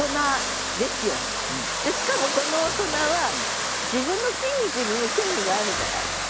しかもこの大人は自分の筋肉にも興味があるんじゃない？